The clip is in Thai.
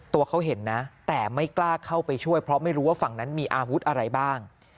ตัวเขาเห็นนะแต่ไม่กล้าเข้าไปช่วยเพราะไม่รู้ว่าฝั่งนั้นมีอาวุธอะไรบ้าง